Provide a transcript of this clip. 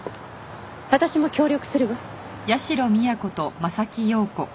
私も協力するわ。